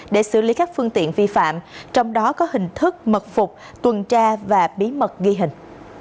để xử lý các phương tiện vi phạm trong đó có hình thức mật phục tuần tra và bí mật ghi hình